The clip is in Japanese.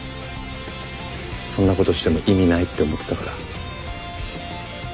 そんなことしても意味ないって思ってたから。